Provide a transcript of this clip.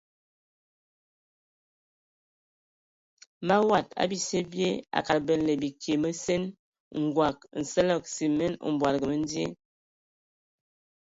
Mawad a bisye bye a kad bələna ai bikie məsen, ngɔg, nsələg simen, mbɔdɔgɔ məndie.